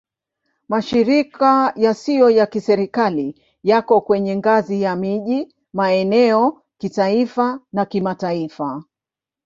Mashirika yasiyo ya Kiserikali yako kwenye ngazi ya miji, maeneo, kitaifa na kimataifa.